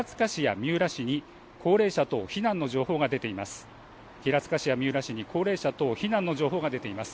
現在、県内では平塚市や三浦市に高齢者等避難の情報が出ています。